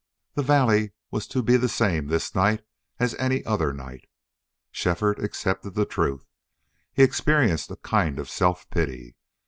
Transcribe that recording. The valley was to be the same this night as any other night. Shefford accepted the truth. He experienced a kind of self pity.